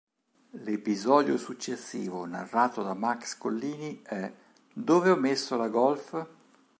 L'episodio successivo narrato da Max Collini è "Dove ho messo la golf?